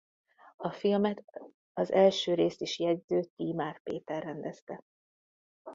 A filmet az első részt is jegyző Tímár Péter rendezte.